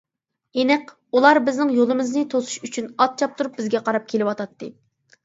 ئېنىق، ئۇلار بىزنىڭ يولىمىزنى توسۇش ئۈچۈن ئات چاپتۇرۇپ بىزگە قاراپ كېلىۋاتاتتى.